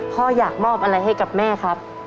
พ่ออยากมอบอะไรให้กับแม่ครับ